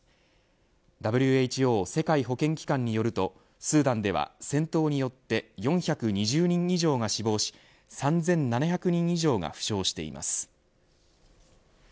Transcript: ＷＨＯ世界保健機関によるとスーダンでは戦闘によって４２０人以上が死亡し３７００人以上が負傷しています。